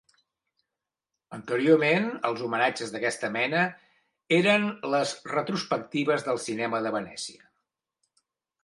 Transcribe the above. Anteriorment, els homenatges d'aquesta mena eren les retrospectives del Cinema de Venècia.